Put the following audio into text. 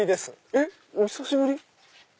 えっ⁉お久しぶり？